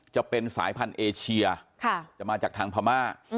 จะเป็นสายพันธุ์เอเชียจะมาจากทางพม่า